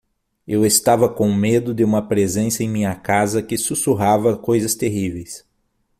Eu estava com medo de uma presença em minha casa que sussurrava coisas terríveis.